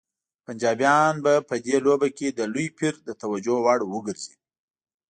پنجابیان به په دې لوبه کې د لوی پیر د توجه وړ وګرځي.